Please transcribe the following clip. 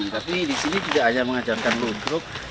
tapi di sini tidak hanya mengajarkan ludruk